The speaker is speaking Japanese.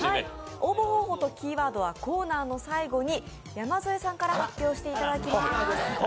応募方法とキーワードはコーナーの最後に山添さんから発表していただきます。